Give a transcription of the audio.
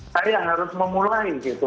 saya harus memulai gitu